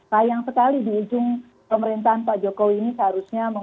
sayang sekali di ujung pemerintahan pak jokowi ini seharusnya